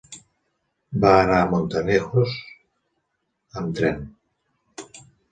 Va anar a Montanejos amb tren.